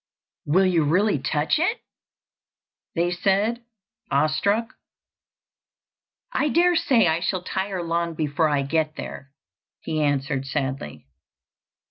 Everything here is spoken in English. "Will you really touch it?" they said, awestruck. "I dare say I shall tire long before I get there," he answered sadly.